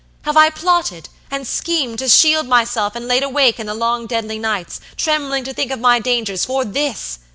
Have I plotted and schemed to shield myself and laid awake in the long deadly nights, trembling to think of my dangers, for this?